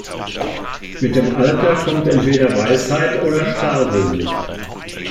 Mit dem Alter kommt entweder Weisheit oder Starrsinn.